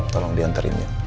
tolong dianterin dia